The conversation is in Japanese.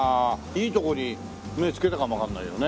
いいとこに目付けたかもわかんないよね。